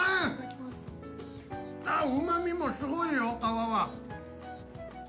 うまみもすごいよ、皮は。